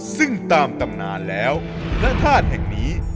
ซึ่งตามตำนานแล้วพระธาตุแห่งนี้